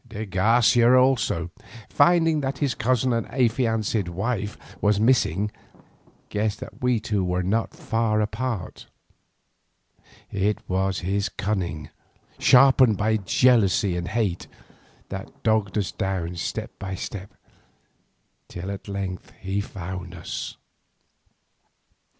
De Garcia also, finding that his cousin and affianced wife was missing, guessed that we two were not far apart. It was his cunning, sharpened by jealousy and hate, that dogged us down step by step till at length he found us.